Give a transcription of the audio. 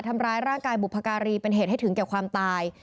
ทำร้ายร่างกายบุพการีเป็นเหตุให้ถึงแก่ความตาย